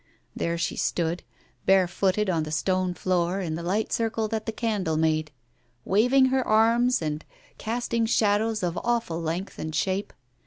There she stood, barefooted on the stone floor, in the light circle that the candle made, waving her arms and casting shadows of awful length and shape.